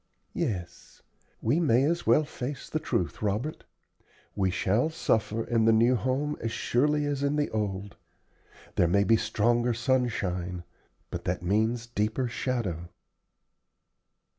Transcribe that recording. "Yes; we may as well face the truth, Robert. We shall suffer in the new home as surely as in the old. There may be stronger sunshine, but that means deeper shadow."